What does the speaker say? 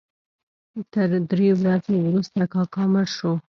تر درو ورځو وروسته کاکا مړ شو.